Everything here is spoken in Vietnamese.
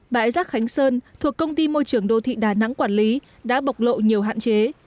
bãi rác khánh sơn thuộc công ty môi trường đô thị đà nẵng quản lý đã bộc lộ nhiều hạn chế